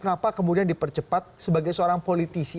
kenapa kemudian dipercepat sebagai seorang politisi